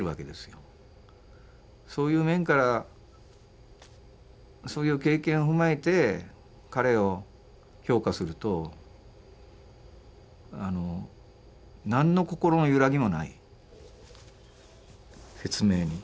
そういう面からそういう経験を踏まえて彼を評価すると何の心の揺らぎもない説明に。